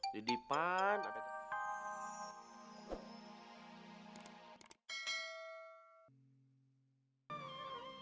di depan ada tikus